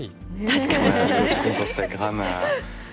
確かに。